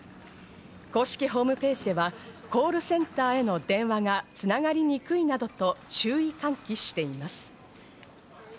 公式ホームページではコールセンターへの電話が繋がりにくいなどと注意喚起しています。